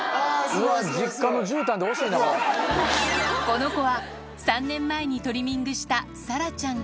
この子は、３年前にトリミングしたサラちゃん。